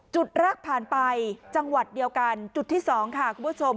จุดแรกผ่านไปจังหวัดเดียวกันจุดที่๒ค่ะคุณผู้ชม